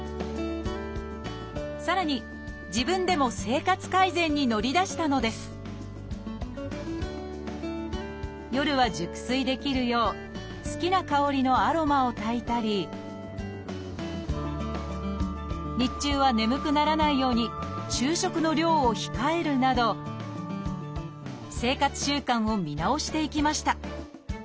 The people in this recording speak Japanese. さらに自分でも生活改善に乗り出したのです夜は熟睡できるよう好きな香りのアロマをたいたり日中は眠くならないように昼食の量を控えるなど生活習慣を見直していきました。